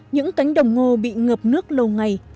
những cánh đồng ngô bị ngập nước lâu ngày